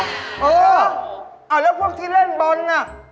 เออแล้วพวกที่เล่นบอลน่ะ